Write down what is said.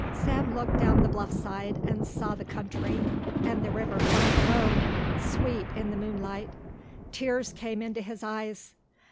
Sam looked down the bluffside and saw the country and the river far below, sweet in the moonlight. Tears came into his eyes.